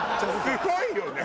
すごいよね。